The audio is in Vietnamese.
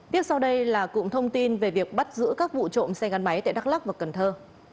tiếp sau đây là cụm thông tin về việc bắt giữ các vụ trộm xe gắn máy tại đắk lắc và cần thơ